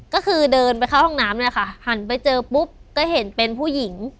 ก็คือเดินไปเข้าห้องน้ำเนี่ยค่ะหันไปเจอปุ๊บก็เห็นเป็นผู้หญิง